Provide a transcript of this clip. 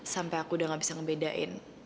sampai aku udah gak bisa ngebedain